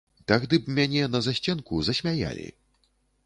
Тагды б мяне на засценку засмяялі.